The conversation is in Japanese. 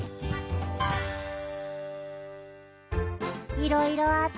いろいろあったね。